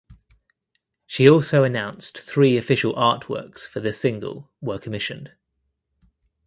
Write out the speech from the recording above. She also announced three official artworks for the single were commissioned.